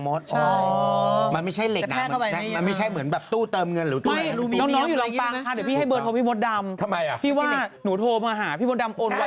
เมื่อกี้บอกบังปะอินบังปะอินติดมาก